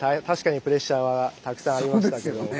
確かにプレッシャーはたくさんありましたけど。